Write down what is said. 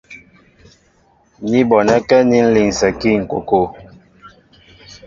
Ní bonɛ́kɛ́ aní ń linsɛkí ŋ̀kokwo.